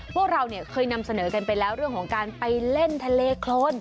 พวกเราเนี่ยเคยนำเสนอกันไปแล้วเรื่องของการไปเล่นทะเลโครน